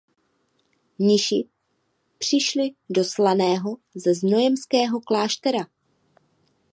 Mniši přišli do Slaného ze znojemského kláštera.